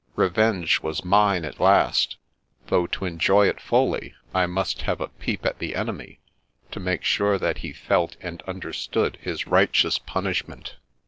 Revenge was mine at last, though to enjoy it fully I must have a peep at the enemy, to make sure that he felt and understood his righteous punishment.